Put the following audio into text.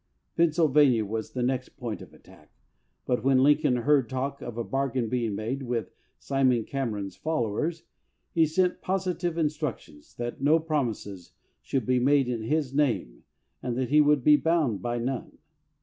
Pennsylvania was the next point of attack, but when Lincoln heard talk of a bargain being made with Simon Cameron's followers, he sent positive instructions that no promises should be made in his name and that he would be bound by none.